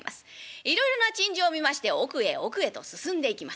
いろいろな珍獣を見まして奥へ奥へと進んでいきます。